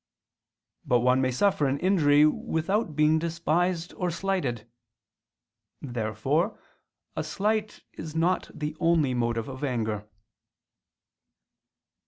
But one may suffer an injury without being despised or slighted. Therefore a slight is not the only motive of anger.